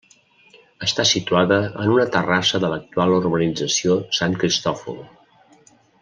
Està situada en una terrassa de l'actual urbanització Sant Cristòfol.